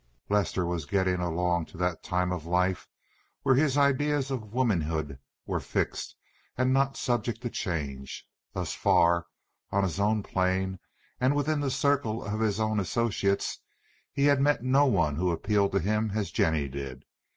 Lester was getting along to that time of life when his ideas of womanhood were fixed and not subject to change. Thus far, on his own plane and within the circle of his own associates, he had met no one who appealed to him as did Jennie.